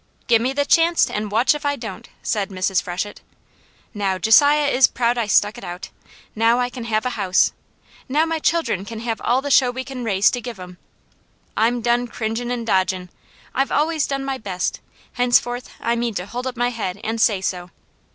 "Gimme the chanct, an' watch if I don't," said Mrs. Freshett. "Now, Josiah is proud I stuck it out! Now, I can have a house! Now, my children can have all the show we can raise to give 'em! I'm done cringin' an' dodgin'! I've always done my best; henceforth I mean to hold up my head an' say so.